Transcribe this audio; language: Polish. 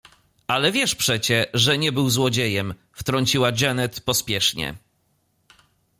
— Ale wiesz przecie, że nie był złodziejem — wtrąciła Janet pospiesznie.